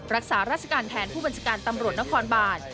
รักษาราชการแทนผู้บัญชาการตำรวจนครบาน